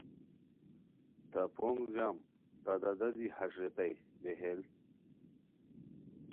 تہ پونگ جم تہ دادا دی ہݰ ریتائے بیہیل